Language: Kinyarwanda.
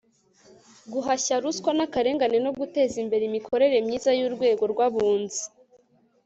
guhashya ruswa n'akarengane no guteza imbere imikorere myiza y'urwego rw'abunzi